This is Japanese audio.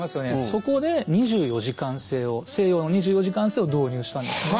そこで２４時間制を西洋の２４時間制を導入したんですね。